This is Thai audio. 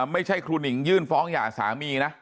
ไม่ใช่ครูหนิงยื่นฟ้องหย่าสามีนะ